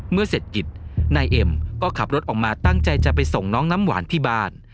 เศรษฐกิจนายเอ็มก็ขับรถออกมาตั้งใจจะไปส่งน้องน้ำหวานที่บ้าน